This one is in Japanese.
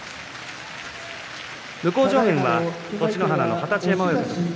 向正面は栃乃花の二十山親方です。